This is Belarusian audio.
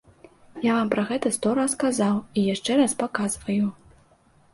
Я вам пра гэта сто разоў казаў, і яшчэ раз паказваю.